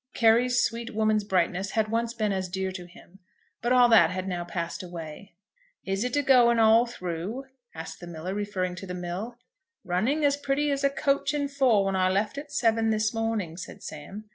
Carry's sweet woman's brightness had once been as dear to him, but all that had now passed away. "Is it a'going all through?" asked the miller, referring to the mill. "Running as pretty as a coach and four when I left at seven this morning," said Sam.